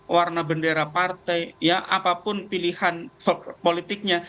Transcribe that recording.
warna bendera partai ya apapun pilihan politiknya